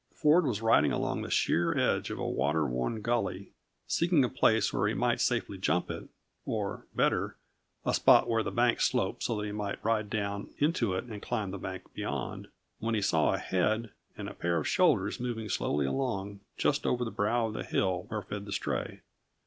Ford was riding along the sheer edge of a water worn gully, seeking a place where he might safely jump it or better, a spot where the banks sloped so that he might ride down into it and climb the bank beyond when he saw a head and pair of shoulders moving slowly along, just over the brow of the hill where fed the stray.